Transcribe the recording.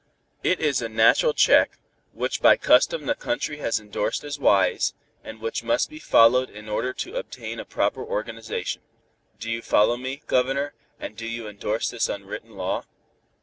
"It is a natural check, which by custom the country has endorsed as wise, and which must be followed in order to obtain a proper organization. Do you follow me, Governor, and do you endorse this unwritten law?"